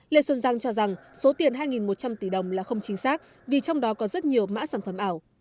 lê xuân giang cho rằng số tiền hai một trăm linh tỷ đồng là không chính xác vì trong đó có rất nhiều mã sản phẩm ảo